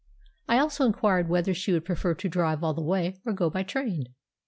I also inquired whether she would prefer to drive all the way, or go by train.